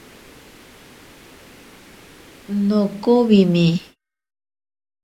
Nokowimi.